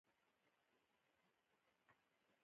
ګل د ژوند شفاف انعکاس دی.